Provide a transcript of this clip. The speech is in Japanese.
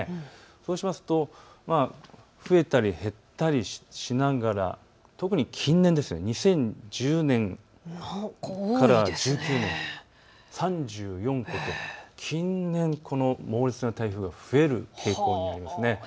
そうしますと増えたり、減ったりしながら特に近年、２０１０年から１９年、３４個と近年、この猛烈な台風が増える傾向にあります。